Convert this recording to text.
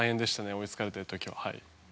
追いつかれてる時は。